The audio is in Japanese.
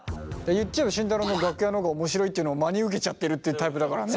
言っちゃえば慎太郎の楽屋の方がおもしろいっていうのを真に受けちゃってるっていうタイプだからね。